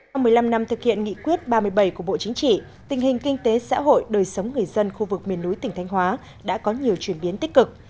hôm một mươi năm năm thực hiện nghị quyết ba mươi bảy của bộ chính trị tình hình kinh tế xã hội đời sống người dân khu vực miền núi tỉnh thanh hóa đã có nhiều chuyển biến tích cực